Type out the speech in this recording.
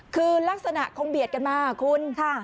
คือลักษณะคงเบียดกันมาคุณ